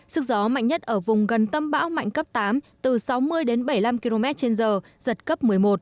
sức gió mạnh nhất ở vùng gần tâm bão mạnh cấp tám từ sáu mươi đến bảy mươi năm km trên giờ giật cấp một mươi một